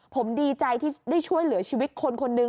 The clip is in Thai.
ผมดีใจที่ได้ช่วยเหลือชีวิตคนคนนึง